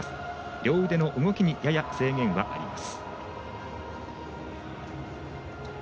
両腕の動きにやや制限があります。